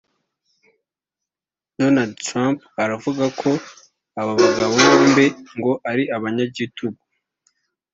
Donald Trump aravuga ko aba bagabo bombi ngo ari abanyagitugu